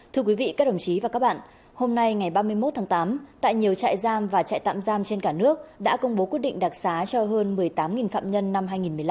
thưa quý vị các đồng chí và các bạn hôm nay ngày ba mươi một tháng tám tại nhiều trại giam và trại tạm giam trên cả nước đã công bố quyết định đặc xá cho hơn một mươi tám phạm nhân năm hai nghìn một mươi năm